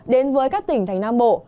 đến với các tỉnh thành nam bộ